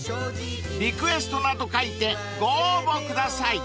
［リクエストなど書いてご応募ください］